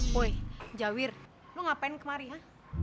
woy jawir lo ngapain kemari ha